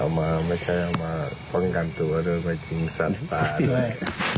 เอามาไม่ใช่เอามาฝนกันตัวโดยไม่จริงสัตว์ฟ้าเลย